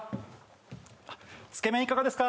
あっつけ麺いかがですか？